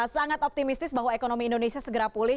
sangat optimistis bahwa ekonomi indonesia segera pulih